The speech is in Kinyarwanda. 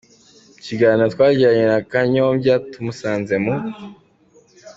Mu kiganiro twagiranye na Kanyombya tumusanze mu.